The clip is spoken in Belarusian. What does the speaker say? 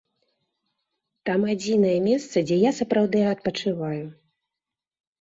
Там адзінае месца, дзе я сапраўды адпачываю.